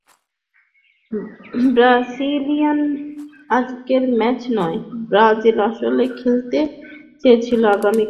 ব্রাসিলিয়ায় আজকের ম্যাচ নয়, ব্রাজিল আসলে খেলতে চেয়েছিল আগামীকাল মারাকানার ফাইনাল।